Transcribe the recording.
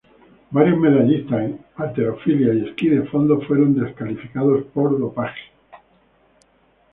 Varios medallistas en halterofilia y esquí de fondo fueron descalificados por dopaje.